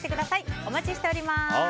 お待ちしております。